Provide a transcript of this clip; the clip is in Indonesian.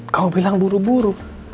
kau bilang buru buru